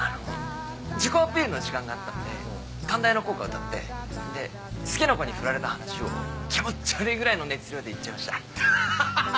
自己アピールの時間があったので関大の校歌歌って好きな子にフラれた話を気持ち悪いぐらいの熱量で言っちゃいました。